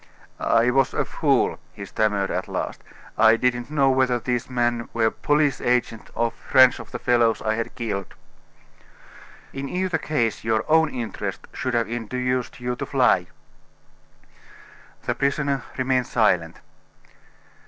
"I was a fool," he stammered at last. "I didn't know whether these men were police agents or friends of the fellows I had killed." "In either case your own interest should have induced you to fly." The prisoner remained silent.